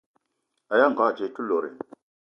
Aya ngogo dze te lot?